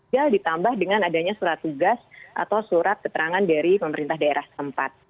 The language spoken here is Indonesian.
ya ditambah dengan adanya surat tugas atau surat keterangan dari pemerintah daerah tempat